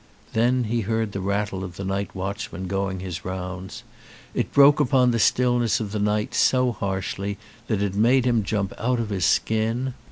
Then he heard the rattle of the night watchman going his rounds. It broke upon the stillness of the night so harshly that it made him jump out of his skin.